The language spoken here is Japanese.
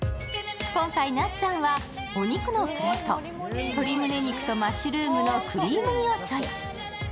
今回、なっちゃんはお肉のプレート鶏胸肉とマッシュルームのクリーム煮をチョイス。